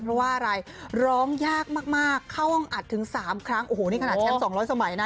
เพราะว่าอะไรร้องยากมากเข้าห้องอัดถึง๓ครั้งโอ้โหนี่ขนาดแชมป์๒๐๐สมัยนะ